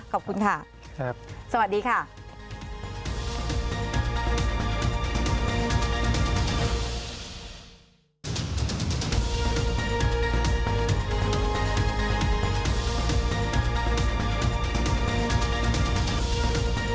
ขอบคุณค่ะสวัสดีค่ะ